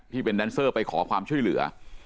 แดนเซอร์ไปขอความช่วยเหลือ